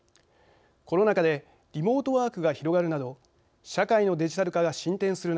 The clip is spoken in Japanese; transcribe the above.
コロナ禍でリモートワークが広がるなど社会のデジタル化が進展する